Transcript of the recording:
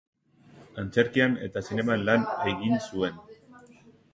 Antzerkian eta zineman lan egin zuen.